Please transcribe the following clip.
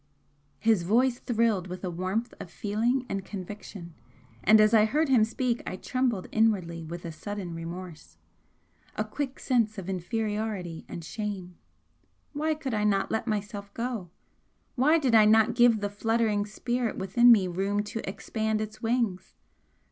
His voice thrilled with a warmth of feeling and conviction, and as I heard him speak I trembled inwardly with a sudden remorse a quick sense of inferiority and shame. Why could I not let myself go? Why did I not give the fluttering spirit within me room to expand its wings?